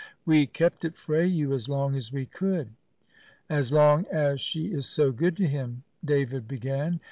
We kept it frae you as long as we could." "As long as she is so good to him " David began.